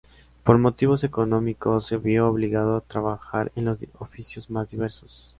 Por motivos económicos, se vio obligado a trabajar en los oficios más diversos.